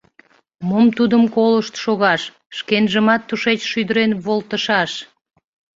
Мом тудым колышт шогаш, шкенжымат тушеч шӱдырен волтышаш!